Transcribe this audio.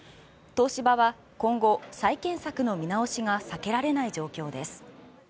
東芝は今後、再建策の見直しが避けられない状況です。